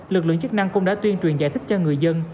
lực lượng chức năng cũng đã tuyên truyền giải thích cho người dân